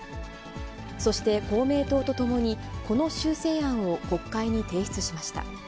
そして公明党とともに、この修正案を国会に提出しました。